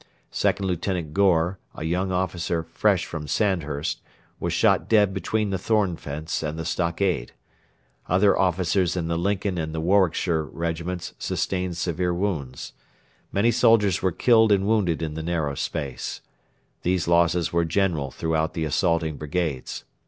Second Lieutenant Gore, a young officer fresh from Sandburst, was shot dead between the thorn fence and the stockade. Other officers in the Lincoln and the Warwickshire regiments sustained severe wounds. Many soldiers were killed and wounded in the narrow space. These losses were general throughout the assaulting brigades.